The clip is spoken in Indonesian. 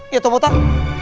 iya toh potak